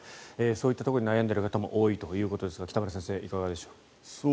そういったところで悩んでいる人も多いということですが北村先生、いかがでしょう。